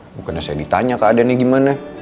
bukannya saya ditanya keadaannya gimana